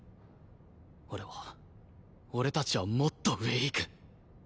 俺は俺たちはもっと上へ行く。